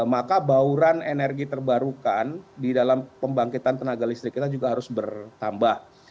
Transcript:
maka bauran energi terbarukan di dalam pembangkitan tenaga listrik kita juga harus bertambah